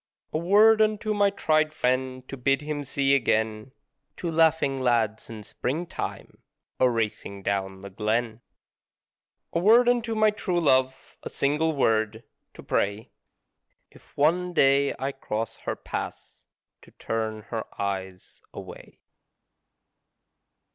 A word unto my tried friend to bid him see again Two laughing lads in Springtime a racing down the glen. A word unto my true love a single word to pray If one day I cross her path to turn her eyes away.